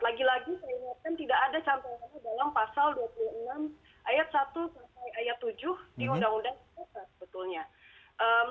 lagi lagi saya ingatkan tidak ada contohnya dalam pasal dua puluh enam ayat satu sampai ayat tujuh di undang undang kpk sebetulnya